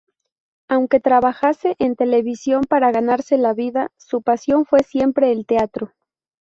Aunque trabajase en televisión para ganarse la vida, su pasión fue siempre el teatro.